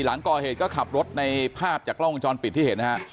หลังก่อเหตุก็ขับรถในภาพจากกล้องวงจรปิดที่เห็นนะฮะ